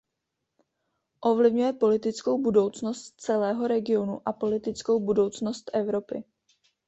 Ovlivňuje politickou budoucnost celého regionu a politickou budoucnost Evropy.